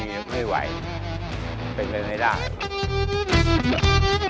ยังไม่ไหวเป็นไปไม่ได้